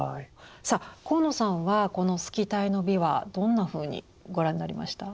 さあ鴻野さんはこのスキタイの美はどんなふうにご覧になりました？